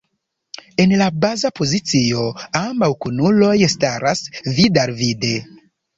En la baza pozicio ambaŭ kunuloj staras vid-al-vide.